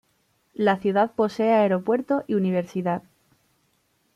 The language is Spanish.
La ciudad posee aeropuerto y universidad.